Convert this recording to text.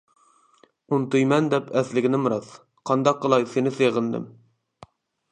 ئۇنتۇيمەن دەپ ئەسلىگىنىم راست، قانداق قىلاي سېنى سېغىندىم.